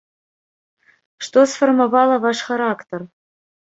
Што сфармавала ваш характар?